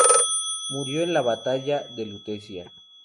Murió en la batalla de Lutecia.